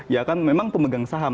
ya kan memang pemegang saham